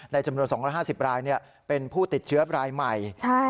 จำนวน๒๕๐รายเป็นผู้ติดเชื้อรายใหม่